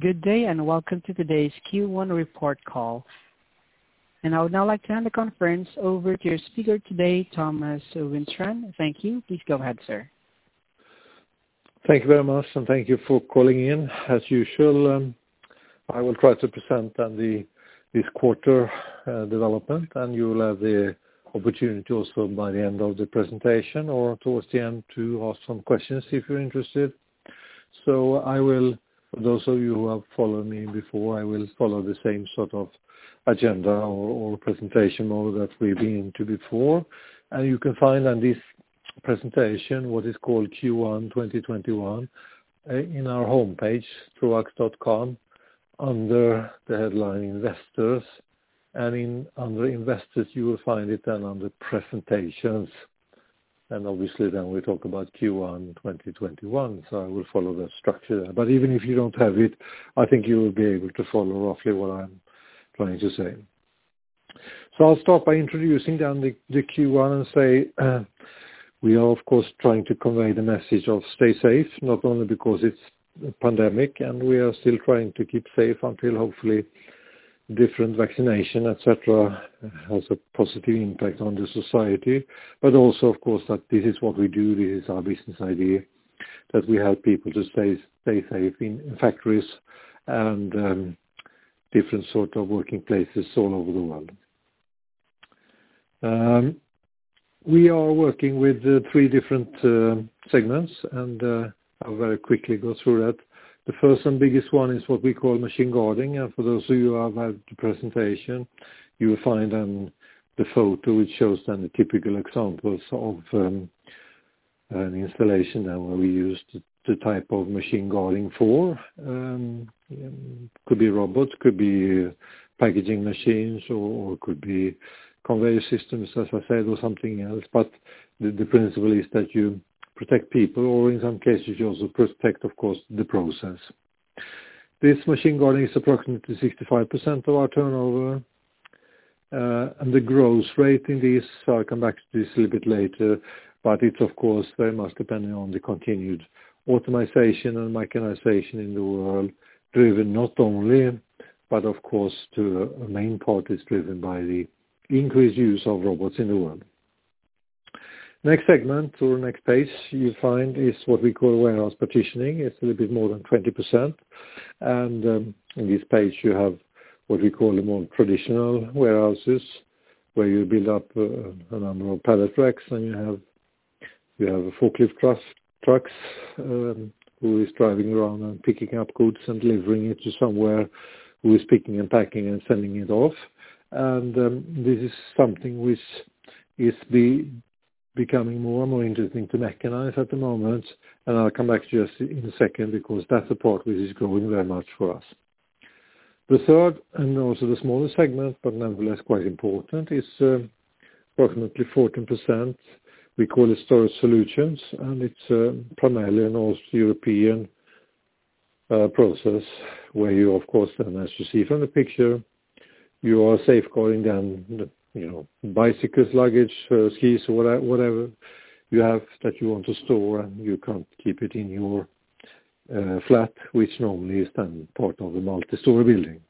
Good day. Welcome to today's Q1 report call. I would now like to hand the conference over to your speaker today, Thomas Widstrand. Thank you. Please go ahead, sir. Thank you very much, thank you for calling in. As usual, I will try to present this quarter development, and you will have the opportunity also by the end of the presentation or towards the end to ask some questions if you're interested. For those of you who have followed me before, I will follow the same sort of agenda or presentation mode that we've been into before. You can find on this presentation, what is called Q1 2021, in our homepage, troax.com, under the headline Investors. Under Investors, you will find it then under Presentations, and obviously, then we talk about Q1 2021. I will follow that structure there. Even if you don't have it, I think you will be able to follow roughly what I'm trying to say. I'll start by introducing the Q1 and say we are, of course, trying to convey the message of stay safe, not only because it's a pandemic, and we are still trying to keep safe until hopefully different vaccination, et cetera, has a positive impact on the society. Also, of course, that this is what we do. This is our business idea, that we help people to stay safe in factories and different sort of working places all over the world. We are working with three different segments, I'll very quickly go through that. The first and biggest one is what we call machine guarding. For those of you who have had the presentation, you will find the photo which shows the typical examples of an installation and where we use the type of machine guarding for. Could be robots, could be packaging machines, or could be conveyor systems, as I said, or something else. The principle is that you protect people, or in some cases, you also protect, of course, the process. This machine guarding is approximately 65% of our turnover. The growth rate in this, I'll come back to this a little bit later, but it's, of course, very much dependent on the continued automatization and mechanization in the world, driven not only, but of course, the main part is driven by the increased use of robots in the world. Next segment or next page you find is what we call warehouse partitioning. It's a little bit more than 20%. In this page, you have what we call the more traditional warehouses, where you build up a number of pallet racks, and you have a forklift trucks, who is driving around and picking up goods and delivering it to somewhere, who is picking and packing and sending it off. This is something which is becoming more and more interesting to mechanize at the moment. I'll come back to this in a second because that's the part which is growing very much for us. The third, and also the smallest segment, but nonetheless quite important, is approximately 14%. We call it storage solutions, and it's primarily a North European process where you, of course, as you see from the picture, you are safeguarding bicycles, luggage, skis, whatever you have that you want to store, and you can't keep it in your flat, which normally is then part of a multistory building.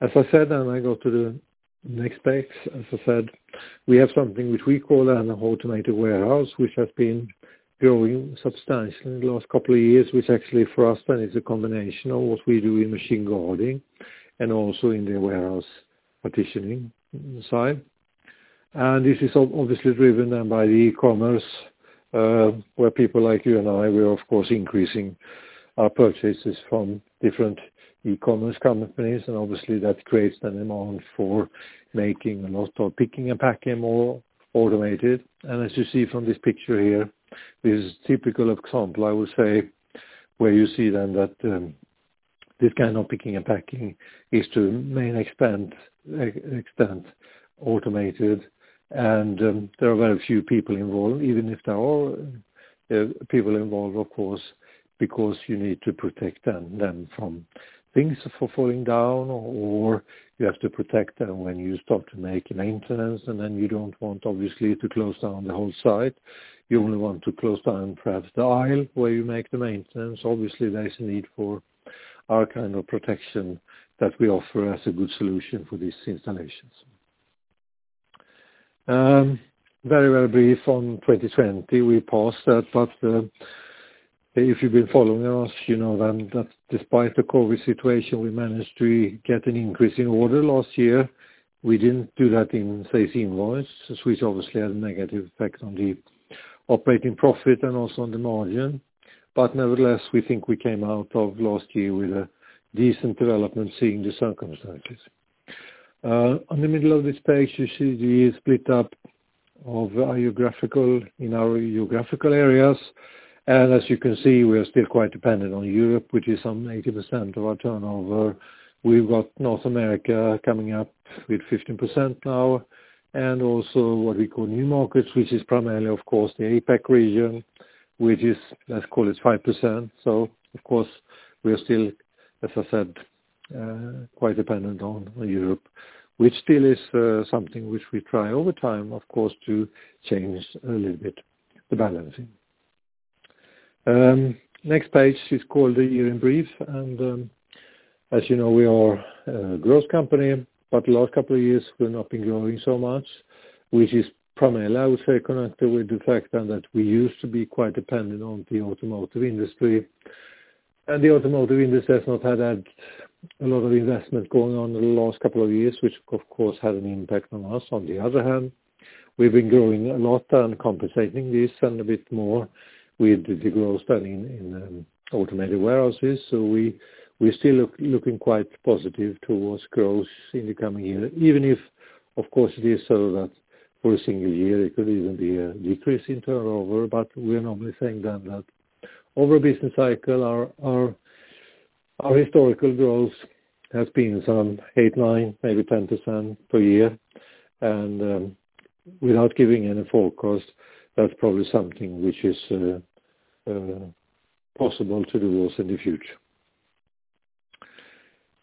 As I said, I go to the next page. As I said, we have something which we call an automated warehouse, which has been growing substantially in the last couple of years, which actually for us then is a combination of what we do in machine guarding and also in the warehouse partitioning side. This is obviously driven by the e-commerce, where people like you and I, we are, of course, increasing our purchases from different e-commerce companies. Obviously, that creates the demand for making and also picking and packing more automated. As you see from this picture here, this typical example, I would say, where you see that this kind of picking and packing is to a main extent automated. There are very few people involved, even if there are people involved, of course, because you need to protect them from things falling down, or you have to protect them when you start to make maintenance, you don't want obviously to close down the whole site. You only want to close down perhaps the aisle where you make the maintenance. Obviously, there's a need for our kind of protection that we offer as a good solution for these installations. Very, very brief on 2020. We passed that, if you've been following us, you know that despite the COVID situation, we managed to get an increase in order last year. We didn't do that in, say, invoice, which obviously had a negative effect on the operating profit and also on the margin. Nevertheless, we think we came out of last year with a decent development seeing the circumstances. On the middle of this page, you see the split up in our geographical areas. As you can see, we're still quite dependent on Europe, which is some 80% of our turnover. We've got North America coming up with 15% now, and also what we call new markets, which is primarily, of course, the APAC region, which is, let's call it 5%. Of course, we are still, as I said, quite dependent on Europe, which still is something which we try over time, of course, to change a little bit, the balancing. Next page is called the year in brief. As you know, we are a growth company. The last couple of years we've not been growing so much, which is primarily, I would say, connected with the fact that we used to be quite dependent on the automotive industry. The automotive industry has not had a lot of investment going on in the last couple of years, which of course, had an impact on us. On the other hand, we've been growing a lot and compensating this and a bit more with the growth than in automated warehouses. We're still looking quite positive towards growth in the coming year, even if, of course, it is so that for a single year, it could even be a decrease in turnover. We are normally saying then that over a business cycle, our historical growth has been some 8%, 9%, maybe 10% per year, and without giving any forecast, that's probably something which is possible to the growth in the future.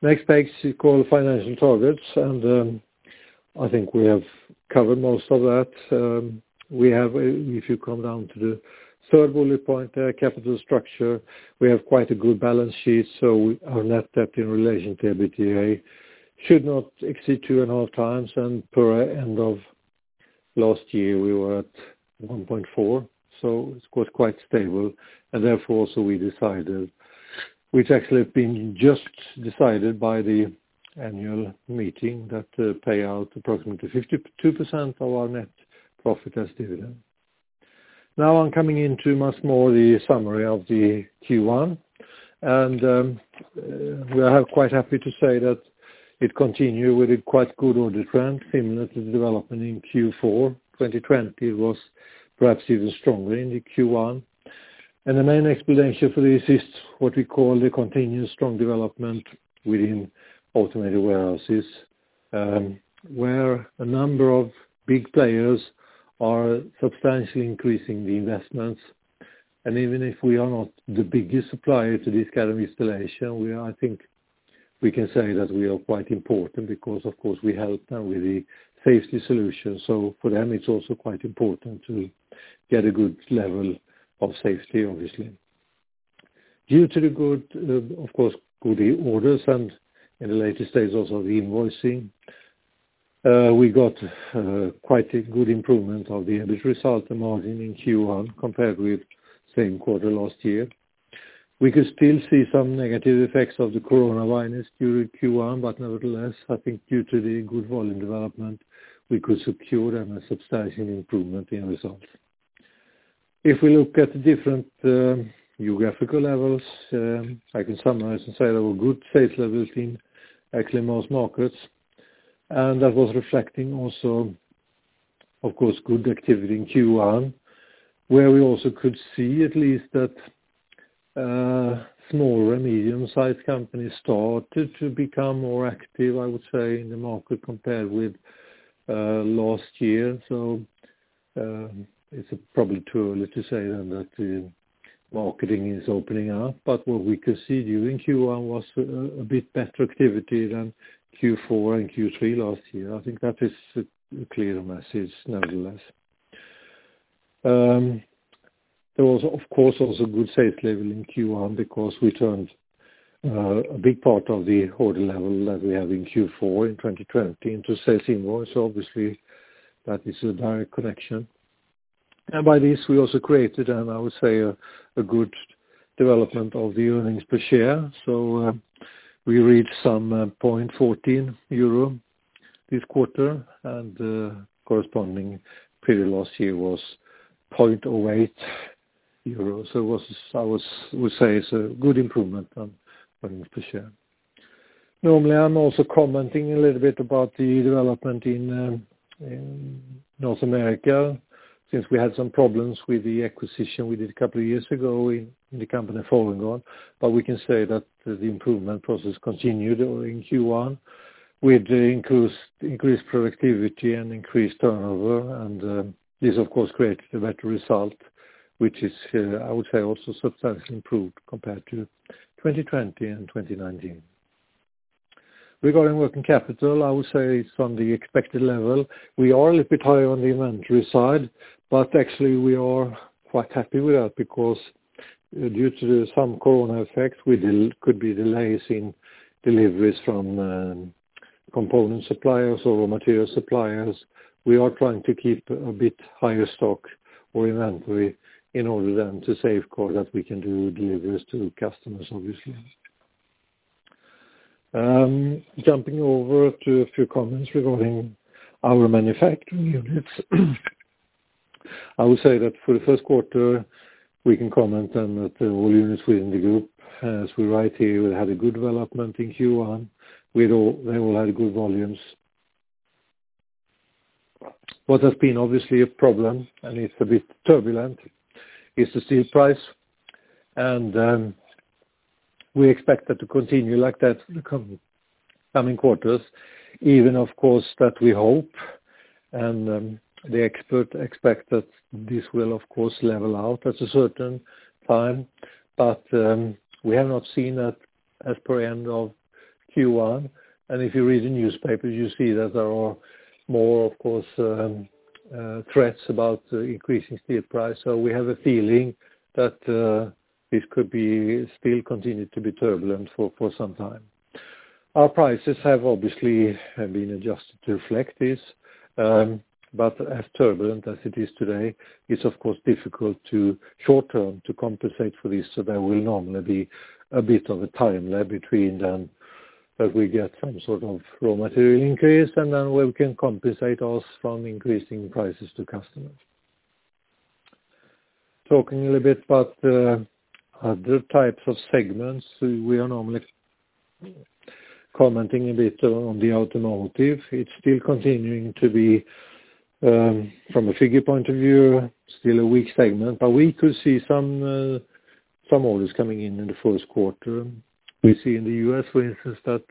Next page is called financial targets, and I think we have covered most of that. If you come down to the third bullet point there, capital structure, we have quite a good balance sheet. Our net debt in relation to EBITDA should not exceed 2.5 times and per end of last year, we were at 1.4, so it was quite stable and therefore, so we decided, which actually have been just decided by the annual meeting that payout approximately 52% of our net profit as dividend. I'm coming into much more the summary of the Q1. We are quite happy to say that it continued with a quite good order trend similar to the development in Q4 2020 was perhaps even stronger in the Q1. The main explanation for this is what we call the continuous strong development within automated warehouses, where a number of big players are substantially increasing the investments. Even if we are not the biggest supplier to this kind of installation, I think we can say that we are quite important because, of course, we help them with the safety solution. For them it's also quite important to get a good level of safety, obviously. Due to the good orders and in the latest days also the invoicing, we got quite a good improvement of the EBIT result margin in Q1 compared with same quarter last year. We could still see some negative effects of the coronavirus during Q1, but nevertheless, I think due to the good volume development, we could secure them a substantial improvement in results. If we look at the different geographical levels, I can summarize and say there were good sales levels in actually most markets, and that was reflecting also, of course, good activity in Q1, where we also could see at least that smaller and medium-sized companies started to become more active, I would say, in the market compared with last year. It's probably too early to say then that the marketing is opening up, but what we could see during Q1 was a bit better activity than Q4 and Q3 last year. I think that is a clear message nonetheless. There was of course also good sales level in Q1 because we turned a big part of the order level that we have in Q4 in 2020 into sales invoice. Obviously that is a direct connection. By this we also created, I would say, a good development of the earnings per share. We reached some 0.14 euro this quarter and the corresponding period last year was 0.08 euro. I would say it's a good improvement on earnings per share. Normally, I'm also commenting a little bit about the development in North America since we had some problems with the acquisition we did a couple of years ago in the company, Folding Guard. We can say that the improvement process continued during Q1 with increased productivity and increased turnover. This of course, created a better result, which is, I would say also substantially improved compared to 2020 and 2019. Regarding working capital, I would say it's on the expected level. We are a little bit higher on the inventory side, but actually we are quite happy with that because due to some COVID effects, we could be delays in deliveries from component suppliers or material suppliers. We are trying to keep a bit higher stock or inventory in order then to safeguard that we can do deliveries to customers, obviously. Jumping over to a few comments regarding our manufacturing units. I would say that for the first quarter we can comment then that all units within the group, as we write here, had a good development in Q1. They all had good volumes. What has been obviously a problem, and it's a bit turbulent, is the steel price, and we expect that to continue like that in the coming quarters. Even, of course, that we hope the experts expect that this will, of course, level out at a certain time. We have not seen that as per end of Q1. If you read the newspapers, you see that there are more, of course, threats about increasing steel prices. We have a feeling that this could still continue to be turbulent for some time. Our prices have obviously been adjusted to reflect this, but as turbulent as it is today, it's, of course, difficult to short-term to compensate for this. There will normally be a bit of a time there between then that we get some sort of raw material increase and then where we can compensate for increasing prices to customers. Talking a little bit about other types of segments, we are normally commenting a bit on the automotive. It's still continuing to be, from a figure point of view, still a weak segment, but we could see some orders coming in in the first quarter. We see in the U.S., for instance, that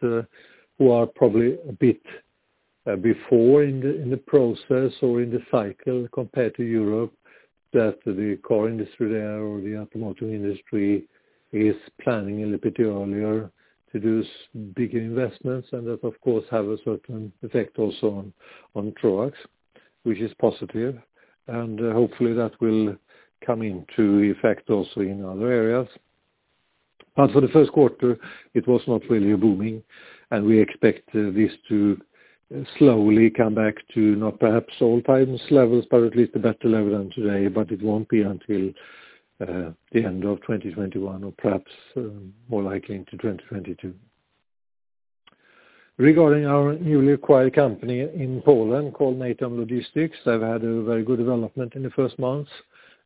who are probably a bit before in the process or in the cycle compared to Europe, that the car industry there or the automotive industry is planning a little bit earlier to do bigger investments and that of course have a certain effect also on Troax, which is positive. Hopefully, that will come into effect also in other areas. For the first quarter, it was not really booming, and we expect this to slowly come back to not perhaps all-times levels, but at least a better level than today, but it won't be until the end of 2021 or perhaps more likely into 2022. Regarding our newly acquired company in Poland called Natom Logistic, they've had a very good development in the first months.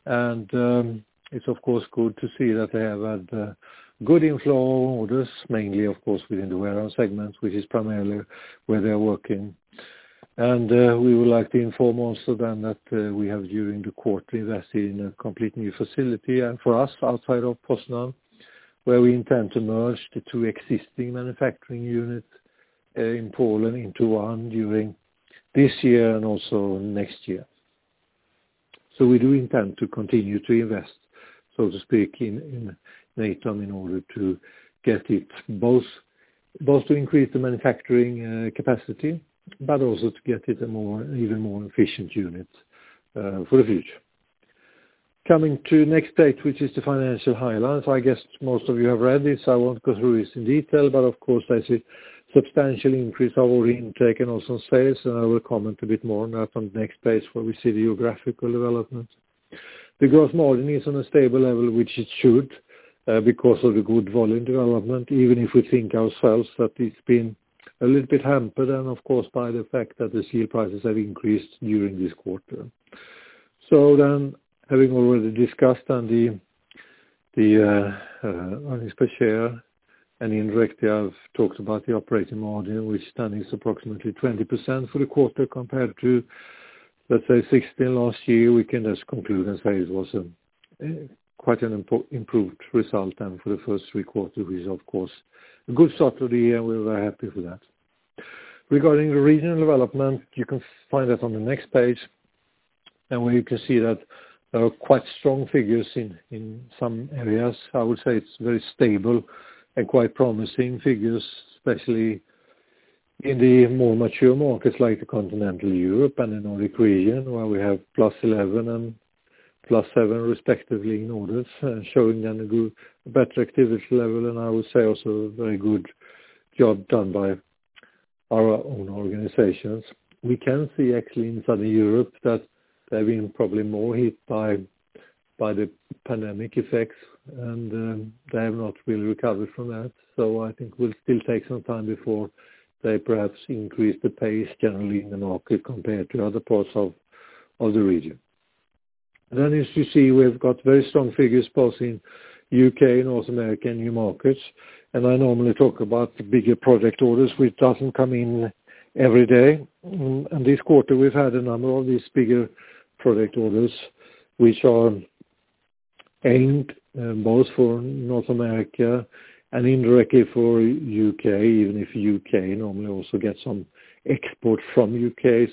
It's of course good to see that they have had good inflow orders, mainly, of course, within the warehouse segment, which is primarily where they're working. We would like to inform also then that we have, during the quarterly, invested in a complete new facility and for us outside of Poznań, where we intend to merge the two existing manufacturing units in Poland into one during this year and also next year. We do intend to continue to invest, so to speak, in Natom in order to get it both to increase the manufacturing capacity, but also to get it an even more efficient unit for the future. Coming to next page, which is the financial highlights. I guess most of you have read this, so I won't go through this in detail, but of course, as it substantially increase our order intake and also sales, and I will comment a bit more on that on the next page where we see the geographical development. The gross margin is on a stable level, which it should because of the good volume development, even if we think ourselves that it's been a little bit hampered and of course, by the fact that the steel prices have increased during this quarter. Having already discussed on the earnings per share and indirectly, I've talked about the operating margin, which then is approximately 20% for the quarter compared to, let's say, 16% last year. We can just conclude and say it was quite an improved result then for the first three quarters, which of course, a good start to the year. We're very happy for that. Regarding the regional development, you can find that on the next page and where you can see that there are quite strong figures in some areas. I would say it's very stable and quite promising figures, especially in the more mature markets like the Continental Europe and the Nordic region, where we have +11 and plus seven respectively in orders, showing then a better activity level, and I would say also a very good job done by our own organizations. We can see actually in Southern Europe that they've been probably more hit by the pandemic effects, and they have not really recovered from that. I think we'll still take some time before they perhaps increase the pace generally in the market compared to other parts of the region. As you see, we've got very strong figures, both in the U.K., North America, and new markets. I normally talk about the bigger project orders, which doesn't come in every day. This quarter, we've had a number of these bigger project orders, which are aimed both for North America and indirectly for the U.K., even if the U.K. normally also get some export from the U.K.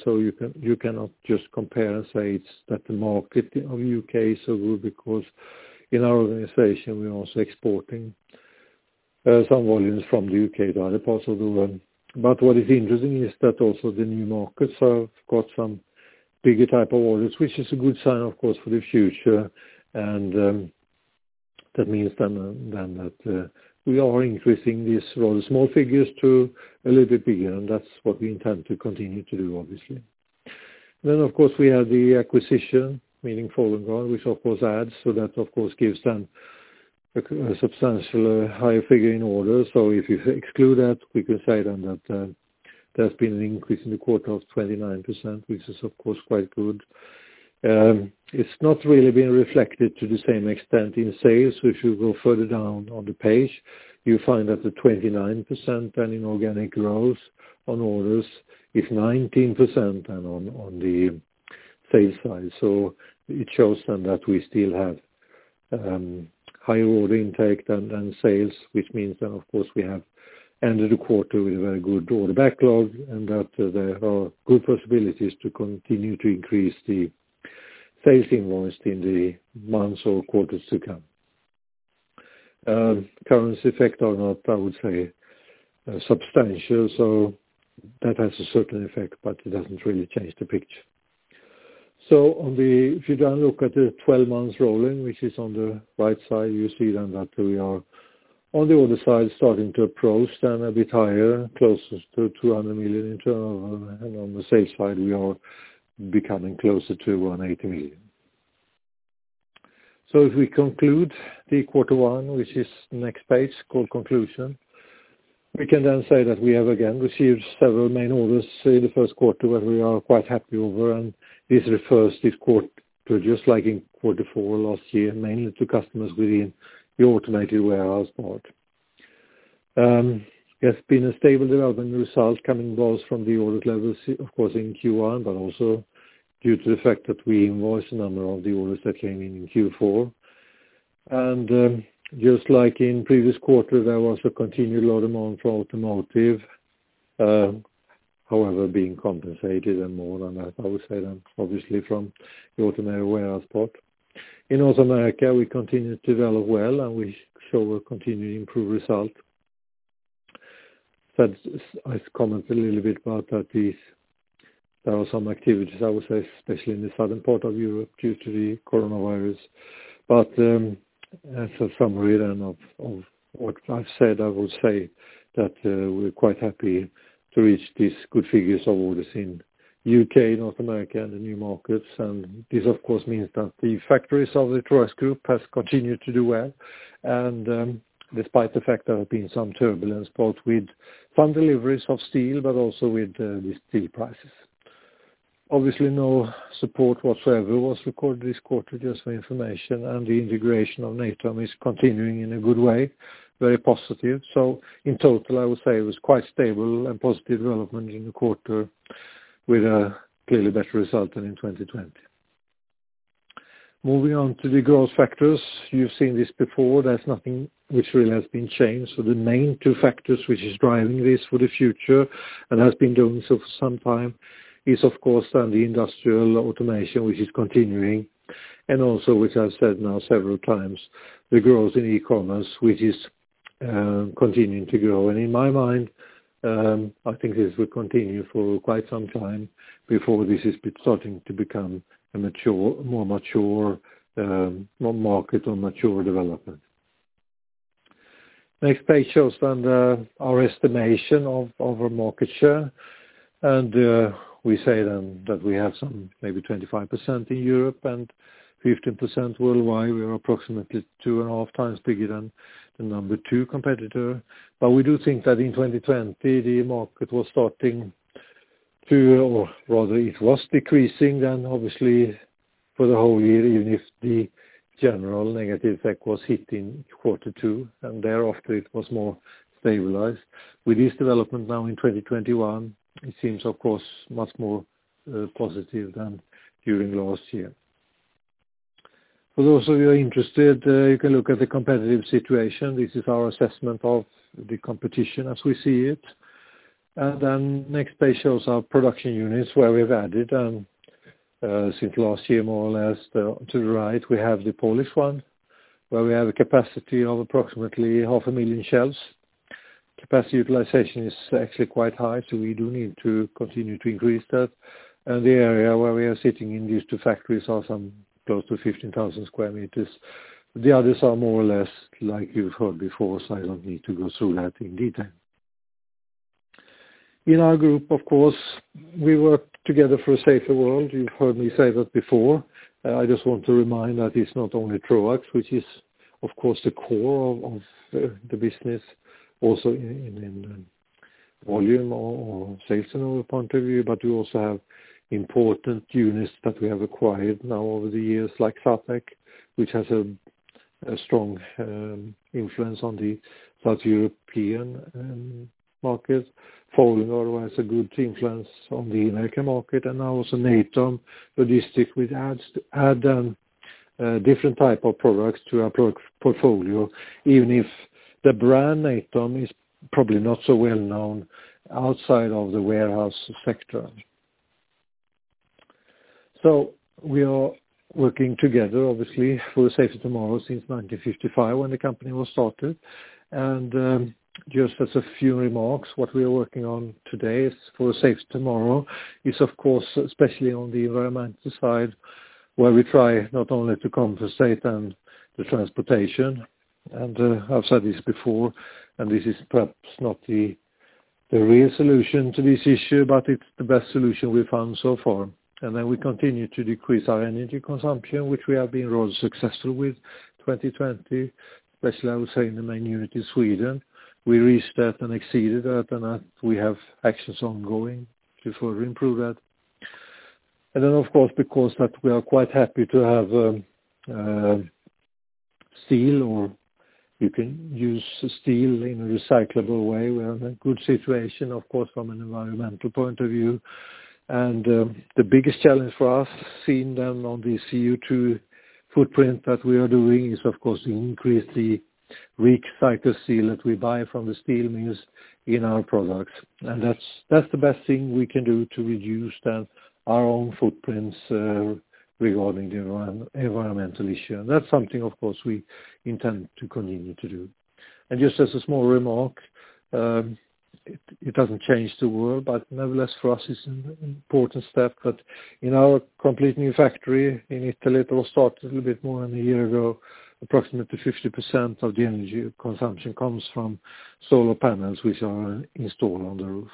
You cannot just compare and say it's that the market of the U.K. is so good because in our organization, we're also exporting some volumes from the U.K. to other parts of the world. What is interesting is that also the new markets have got some bigger type of orders, which is a good sign, of course, for the future and that means then that we are increasing these rather small figures to a little bit bigger, and that's what we intend to continue to do, obviously. Of course, we have the acquisition, meaning Folding Guard, which of course adds, so that, of course, gives them a substantially higher figure in order. If you exclude that, we can say then that there's been an increase in the quarter of 29%, which is, of course, quite good. It's not really been reflected to the same extent in sales. If you go further down on the page, you find that the 29% then in organic growth on orders is 19% then on the sales side. It shows then that we still have higher order intake than sales, which means that, of course, we have ended the quarter with a very good order backlog and that there are good possibilities to continue to increase the sales invoice in the months or quarters to come. Currency effects are not, I would say, substantial. That has a certain effect, but it doesn't really change the picture. If you then look at the 12 months rolling, which is on the right side, you see then that we are on the order side starting to approach then a bit higher, closer to 200 million in turnover. On the sales side, we are becoming closer to 180 million. If we conclude the quarter one, which is next page called conclusion, we can say that we have again received several main orders in the first quarter that we are quite happy over. This refers this quarter to just like in quarter four last year, mainly to customers within the automated warehouse part. There's been a stable development results coming both from the order levels, of course, in Q1, but also due to the fact that we invoice a number of the orders that came in in Q4. Just like in previous quarters, there was a continued low demand for automotive, however, being compensated and more than that, I would say obviously from the automated warehouse part. In North America, we continue to develop well, and we show a continuing improved result. I comment a little bit about that there are some activities, I would say, especially in the southern part of Europe due to the coronavirus. As a summary then of what I've said, I will say that we're quite happy to reach these good figures of orders in U.K., North America, and the new markets. This, of course, means that the factories of the Troax Group has continued to do well and despite the fact there have been some turbulence, both with some deliveries of steel but also with the steel prices. Obviously, no support whatsoever was recorded this quarter, just for your information. The integration of Natom is continuing in a good way, very positive. In total, I would say it was quite stable and positive development in the quarter with a clearly better result than in 2020. Moving on to the growth factors. You've seen this before. There's nothing which really has been changed. The main two factors which is driving this for the future and has been doing so for some time is, of course, then the industrial automation, which is continuing, and also, which I've said now several times, the growth in e-commerce, which is continuing to grow. In my mind, I think this will continue for quite some time before this is starting to become a more mature market or mature development. Next page shows our estimation of our market share. We say that we have some maybe 25% in Europe and 15% worldwide. We are approximately two and a half times bigger than the number two competitor. We do think that in 2020 the market was decreasing then obviously for the whole year, even if the general negative effect was hitting quarter two and thereafter it was more stabilized. With this development now in 2021, it seems of course much more positive than during last year. For those of you who are interested, you can look at the competitive situation. This is our assessment of the competition as we see it. Next page shows our production units where we've added since last year more or less. To the right, we have the Polish one, where we have a capacity of approximately half a million shelves. Capacity utilization is actually quite high, we do need to continue to increase that. The area where we are sitting in these two factories are close to 15,000 sq m. The others are more or less like you've heard before, so I don't need to go through that in detail. In our group, of course, we work together for a safer world. You've heard me say that before. I just want to remind that it's not only Troax, which is of course the core of the business, also in volume or sales point of view, but we also have important units that we have acquired now over the years like Satech, which has a strong influence on the South European market. Folding Guard has a good influence on the American market and now also Natom Logistic which adds different type of products to our portfolio, even if the brand Natom is probably not so well known outside of the warehouse sector. We are working together, obviously, for a safer tomorrow since 1955 when the company was started. Just as a few remarks, what we are working on today is for a safe tomorrow is, of course, especially on the environmental side, where we try not only to compensate the transportation, and I've said this before, and this is perhaps not the real solution to this issue, but it's the best solution we've found so far. Then we continue to decrease our energy consumption, which we have been rather successful with 2020, especially I would say in the main unit in Sweden. We reached that and exceeded that, and we have actions ongoing to further improve that. Then, of course, because that we are quite happy to have steel. You can use steel in a recyclable way. We have a good situation, of course, from an environmental point of view. The biggest challenge for us, seeing then on the CO2 footprint that we are doing, is of course to increase the recycled steel that we buy from the steel mills in our products. That's the best thing we can do to reduce then our own footprints, regarding the environmental issue. That's something, of course, we intend to continue to do. Just as a small remark, it doesn't change the world, but nevertheless, for us, it's an important step that in our complete new factory in Italy, it all started a little bit more than one year ago, approximately 50% of the energy consumption comes from solar panels, which are installed on the roof.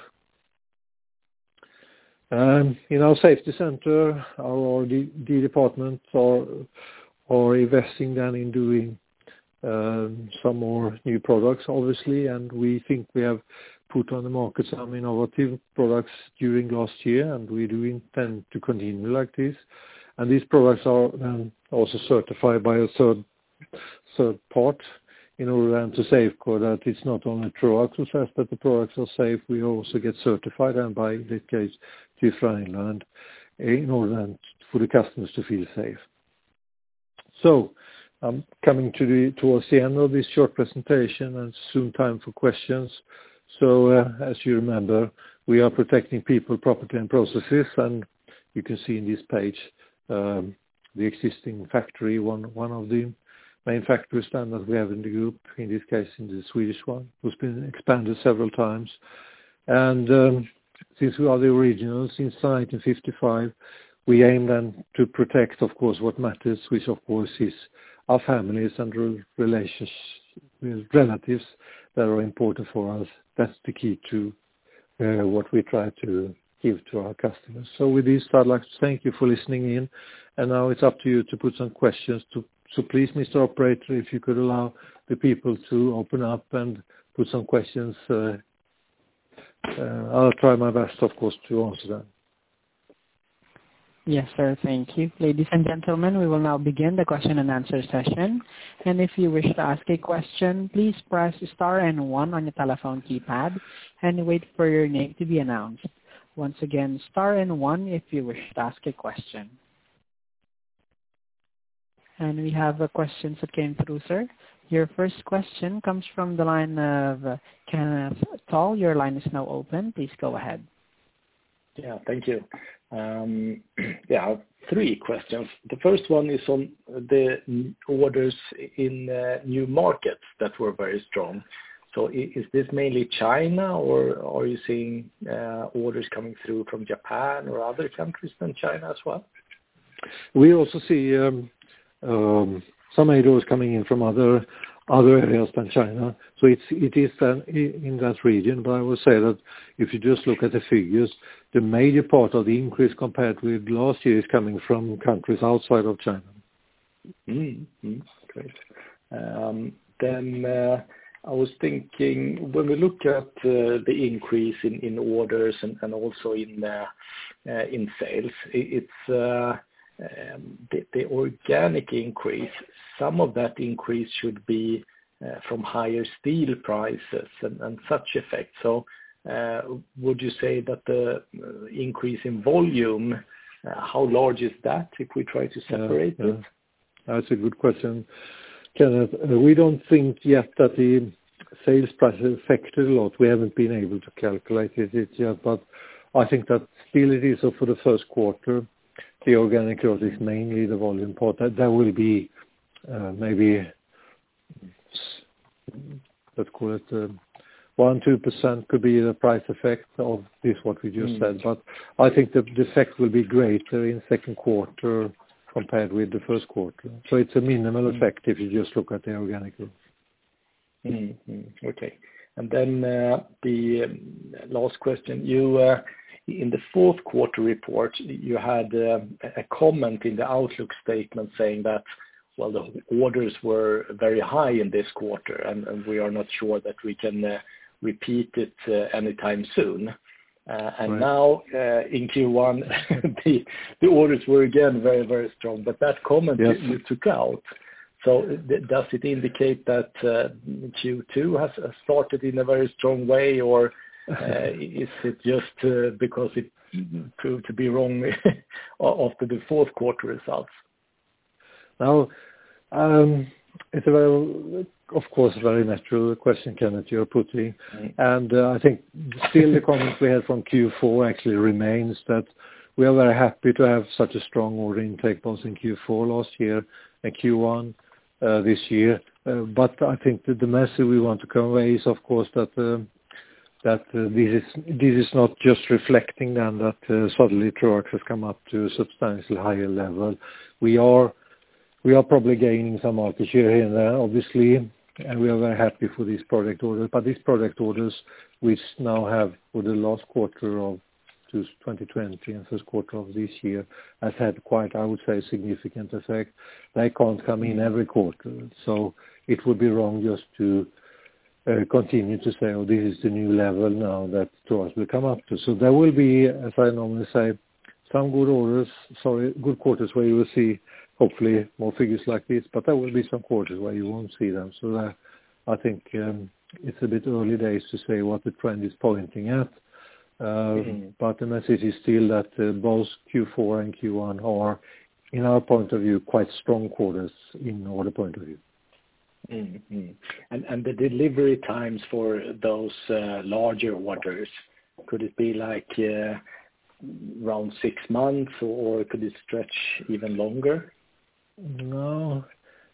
In our safety center, our R&D departments are investing then in doing some more new products, obviously. We think we have put on the market some innovative products during last year. We do intend to continue like this. These products are also certified by a third party in order to safeguard that it's not only Troax itself, but the products are safe. We also get certified and by this case, TÜV Rheinland, in order for the customers to feel safe. I'm coming towards the end of this short presentation and soon time for questions. As you remember, we are protecting people, property, and processes. You can see in this page, the existing factory, one of the main factory standards we have in the group, in this case in the Swedish one, who's been expanded several times. Since we are the originals, since 1955, we aim then to protect, of course, what matters, which of course is our families and relatives that are important for us. That's the key to what we try to give to our customers. With this, I'd like to thank you for listening in, and now it's up to you to put some questions. Please, Mr. Operator, if you could allow the people to open up and put some questions. I'll try my best, of course, to answer them. Yes, sir. Thank you. Ladies and gentlemen, we will now begin the question-and-answer session. If you wish to ask a question, please press star and one on your telephone keypad and wait for your name to be announced. Once again, star and one if you wish to ask a question. We have a question that came through, sir. Your first question comes from the line of Kenneth Toll. Your line is now open. Please go ahead. Yeah. Thank you. Yeah, three questions. The first one is on the orders in new markets that were very strong. Is this mainly China, or are you seeing orders coming through from Japan or other countries than China as well? We also see some orders coming in from other areas than China. It is in that region, but I would say that if you just look at the figures, the major part of the increase compared with last year is coming from countries outside of China. Mm-hmm. Great. I was thinking when we look at the increase in orders and also in sales, the organic increase, some of that increase should be from higher steel prices and such effect. Would you say that the increase in volume, how large is that, if we try to separate that? That's a good question, Kenneth. We don't think yet that the sales price has affected a lot. We haven't been able to calculate it yet. I think that still it is for the first quarter, the organic growth is mainly the volume part. There will be maybe, let's call it, 1%, 2% could be the price effect of this, what we just said. I think that the effect will be greater in second quarter compared with the first quarter. It's a minimal effect if you just look at the organic growth. Okay. The last question. In the fourth quarter report, you had a comment in the outlook statement saying that, while the orders were very high in this quarter and we are not sure that we can repeat it anytime soon. Right. Now, in Q1 the orders were again very strong. Yes took out. Does it indicate that Q2 has started in a very strong way, or is it just because it proved to be wrong after the fourth quarter results? It's, of course, a very natural question, Kenneth, you're putting. Right. I think still the comment we had from Q4 actually remains that we are very happy to have such a strong order intake both in Q4 last year and Q1 this year. I think that the message we want to convey is, of course, that this is not just reflecting then that suddenly Troax has come up to a substantially higher level. We are probably gaining some market share here and there, obviously, and we are very happy for these product orders. These product orders, which now have for the last quarter of 2020 and first quarter of this year, has had quite, I would say, a significant effect. They can't come in every quarter. It would be wrong just to continue to say, oh, this is the new level now that Troax will come up to. There will be, as I normally say, some good quarters where you will see, hopefully more figures like this, but there will be some quarters where you won't see them. I think it's a bit early days to say what the trend is pointing at. The message is still that both Q4 and Q1 are, in our point of view, quite strong quarters in order point of view. Mm-hmm. The delivery times for those larger orders, could it be around six months or could it stretch even longer?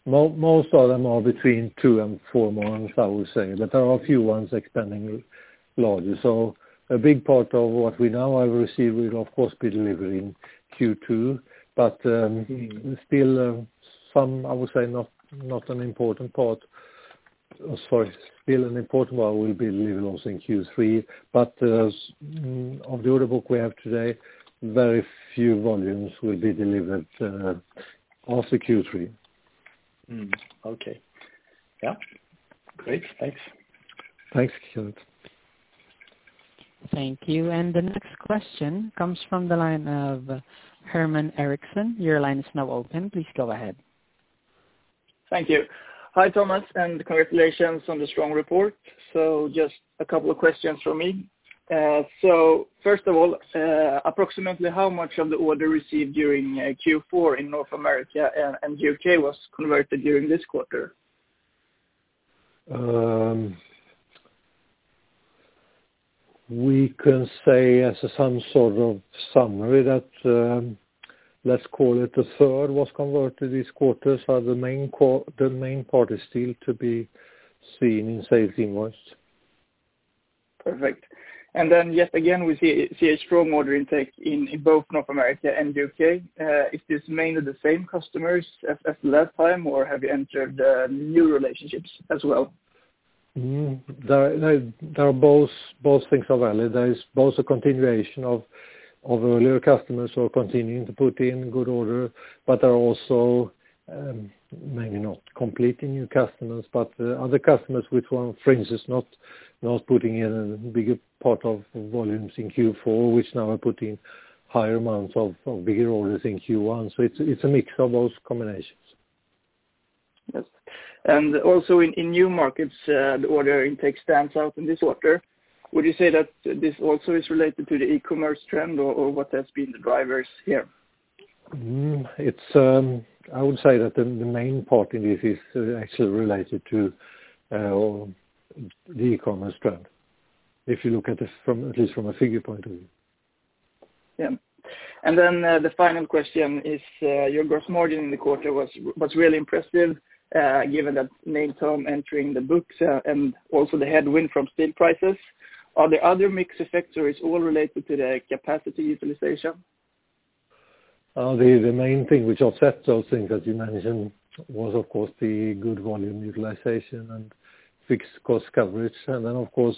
Most of them are between two and four months, I would say. There are a few ones extending larger. A big part of what we now have received will of course, be delivered in Q2. An important part will be delivered also in Q3, but of the order book we have today, very few volumes will be delivered also Q3. Okay. Yeah. Great. Thanks. Thanks, Kenneth. Thank you. The next question comes from the line of Herman Eriksson. Your line is now open. Please go ahead. Thank you. Hi, Thomas, and congratulations on the strong report. Just a couple of questions from me. First of all, approximately how much of the order received during Q4 in North America and U.K. was converted during this quarter? We can say as some sort of summary that, let's call it a third was converted this quarter, so the main part is still to be seen in sales invoice. Perfect. Yet again, we see a strong order intake in both North America and U.K. Is this mainly the same customers as the last time, or have you entered new relationships as well? There are both things are valid. There is both a continuation of earlier customers who are continuing to put in good order, but are also maybe not completely new customers, but other customers which were for instance not putting in a bigger part of volumes in Q4, which now are putting higher amounts of bigger orders in Q1. It's a mix of those combinations. Yes. Also in new markets, the order intake stands out in this quarter. Would you say that this also is related to the e-commerce trend, or what has been the drivers here? I would say that the main part in this is actually related to the e-commerce trend. If you look at this at least from a figure point of view. Yeah. The final question is, your gross margin in the quarter was really impressive, given that Natom entering the books, and also the headwind from steel prices. Are the other mixed effects or it's all related to the capacity utilization? The main thing which offset those things, as you mentioned, was of course the good volume utilization and fixed cost coverage. Then, of course,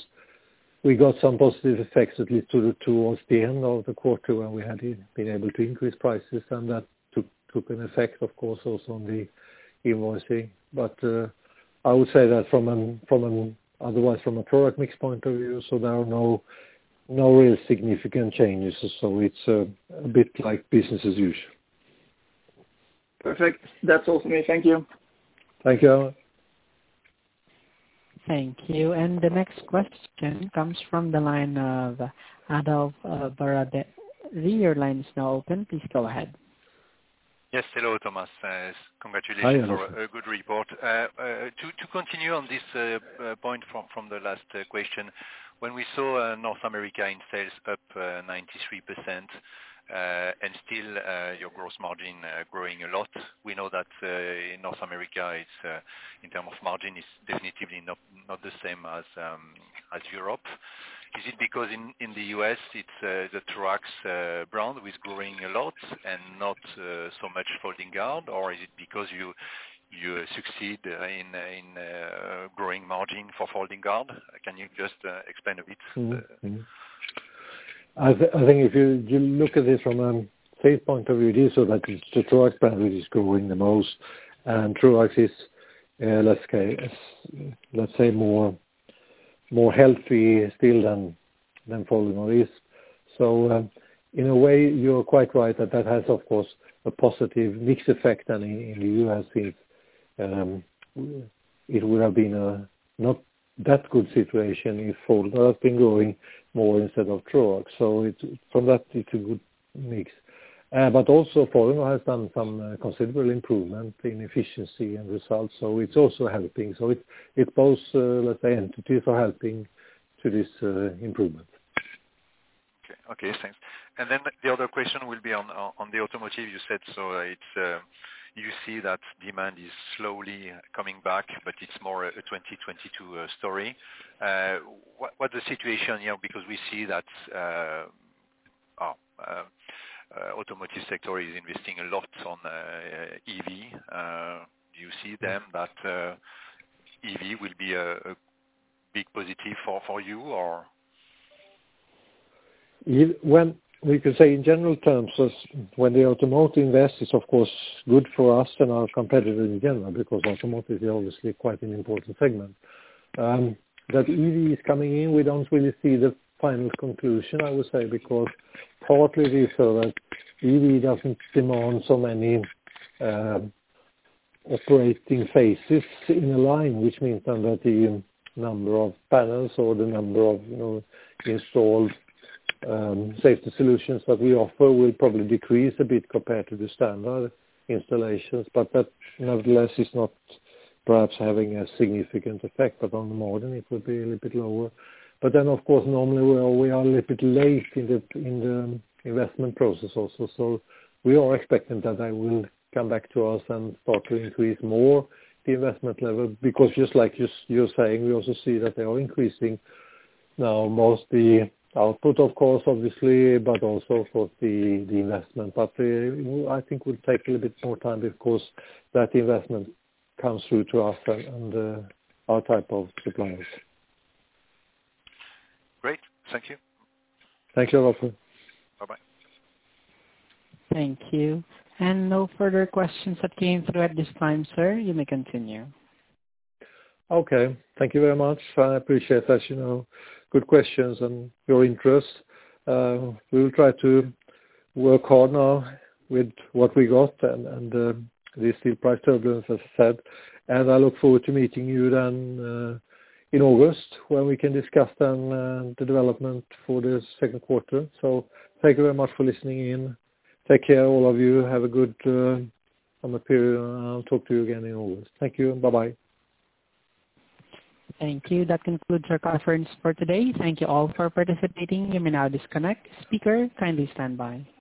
we got some positive effects at least towards the end of the quarter when we had been able to increase prices, and that took an effect, of course, also on the invoicing. I would say that otherwise from a product mix point of view, so there are no real significant changes. It's a bit like business as usual. Perfect. That's all from me. Thank you. Thank you. Thank you. The next question comes from the line of Adolf Baradet. Your line is now open. Please go ahead. Yes. Hello, Thomas. Hi, Adolf. Congratulations for a good report. To continue on this point from the last question, when we saw North America in sales up 93% and still your gross margin growing a lot. We know that in North America, in terms of margin, is definitely not the same as Europe. Is it because in the U.S. it's the Troax brand who is growing a lot and not so much Folding Guard? Is it because you succeed in growing margin for Folding Guard? Can you just explain a bit? I think if you look at this from a sales point of view, it is so that it's the Troax brand which is growing the most, and Troax is let's say more healthy still than Folding Guard is. In a way, you're quite right that that has, of course, a positive mix effect than in the U.S. It would have been a not that good situation if Folding Guard had been growing more instead of Troax. From that it's a good mix. Also Folding Guard has done some considerable improvement in efficiency and results, so it's also helping. It's both, let's say, entities are helping to this improvement. Okay, thanks. The other question will be on the automotive you said, you see that demand is slowly coming back, but it's more a 2022 story? What the situation here, because we see that automotive sector is investing a lot on EV. Do you see that EV will be a big positive for you? We could say in general terms, when the automotive invests, it's of course good for us and our competitors in general, because automotive is obviously quite an important segment. EV is coming in, we don't really see the final conclusion, I would say, because partly it's relevant, EV doesn't demand so many operating phases in a line, which means then that the number of panels or the number of installed safety solutions that we offer will probably decrease a bit compared to the standard installations. That, nevertheless, is not perhaps having a significant effect, but on the margin, it will be a little bit lower. Of course, normally we are a little bit late in the investment process also. We are expecting that they will come back to us and start to increase more the investment level, because just like you're saying, we also see that they are increasing now mostly output, of course, obviously, but also for the investment. I think it will take a little bit more time, of course, that investment comes through to us and our type of suppliers. Great. Thank you. Thank you, Baradet. Bye-bye. Thank you. No further questions have came through at this time, sir. You may continue. Okay. Thank you very much. I appreciate that. Good questions and your interest. We will try to work hard now with what we got and the steel price turbulence, as I said. I look forward to meeting you then in August, when we can discuss then the development for the second quarter. Thank you very much for listening in. Take care all of you. Have a good summer period, and I'll talk to you again in August. Thank you. Bye-bye. Thank you. That concludes our conference for today. Thank you all for participating. You may now disconnect. Speaker, kindly stand by.